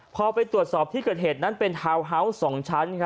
พอไปตรวจสอบที่เกิดเหตุนั้นเป็นทาวน์ฮาวส์๒ชั้น